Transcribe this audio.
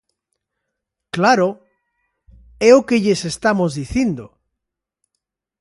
¡Claro, é o que lles estamos dicindo!